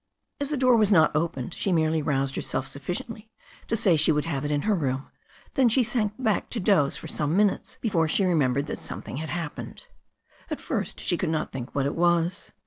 As the door was not opened she merely roused herself sufficiently to say she would have it in her room, then she sank back to doze for some minutes before she remembered that something had happened. At first she could not think what it was.